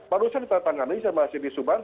pak ruslan di tata ngani saya masih di subang